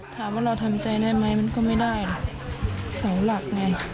ถามว่าเราทำใจได้ไหมมันก็ไม่ได้นะเสาหลักไง